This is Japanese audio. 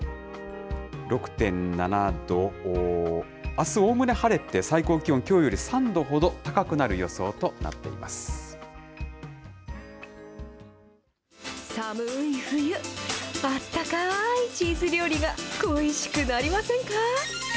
６．７度、あす、おおむね晴れて、最高気温、きょうより３度ほど高寒ーい冬、あったかーいチーズ料理が恋しくなりませんか。